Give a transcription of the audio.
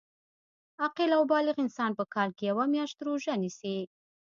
عاقل او بالغ انسان په کال کي یوه میاشت روژه نیسي